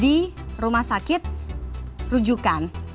di rumah sakit rujukan